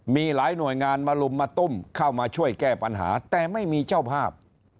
มีหลายหน่วยงานมาลุมมาตุ้มเข้ามาช่วยแก้ปัญหาแต่ไม่มีเจ้าภาพ